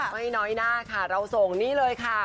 ไม่น้อยหน้าค่ะเราส่งนี่เลยค่ะ